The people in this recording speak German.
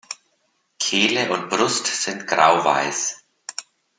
Kehle und Brust sind grauweiß.